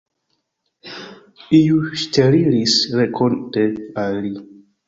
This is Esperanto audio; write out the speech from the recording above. Iu ŝteliris renkonte al li.